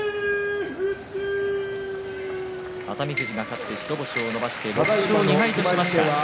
熱海富士勝って白星を伸ばして６勝２敗としました。